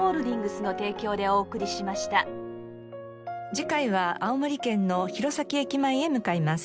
次回は青森県の弘前駅前へ向かいます。